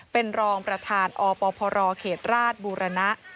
เป็นรองประธานอพรเขตราชบูรณะ